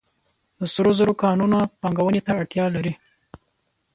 د سرو زرو کانونه پانګونې ته اړتیا لري